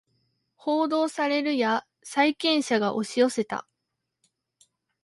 報道されるや債権者が押し寄せた